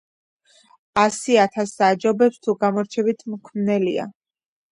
ასი ათასსა აჯობებს, თუ გამორჩევით მქმნელია